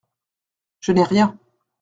Je n’ai rien.